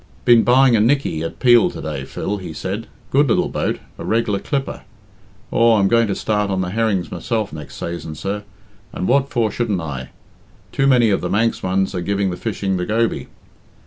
"Been buying a Nickey at Peel to day, Phil," he said; "good little boat a reg'lar clipper. Aw, I'm going to start on the herrings myself next sayson sir, and what for shouldn't I? Too many of the Manx ones are giving the fishing the goby.